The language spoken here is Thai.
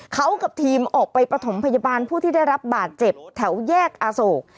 เขากับทีมออกไปประถมพยาบาลผู้ที่ได้รับบาดเจ็บแถวแยกอโศก